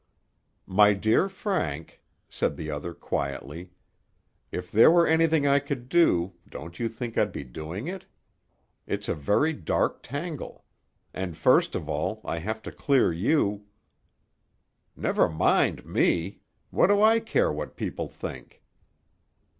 "My dear Frank," said the other quietly, "if there were anything I could do, don't you think I'd be doing it? It's a very dark tangle. And first of all I have to clear you—" "Never mind me! What do I care what people think?"